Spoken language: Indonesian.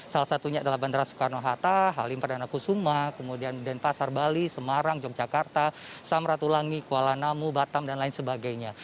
salah satunya adalah bandara soekarno hatta halim perdana kusuma kemudian denpasar bali semarang yogyakarta samratulangi kuala namu batam dan lain sebagainya